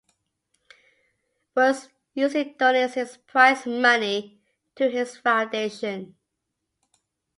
Woods usually donates his prize money to his foundation.